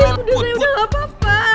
udah gak apa apa